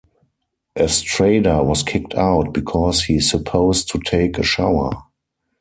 Estrada was kicked out because he supposed to take a shower.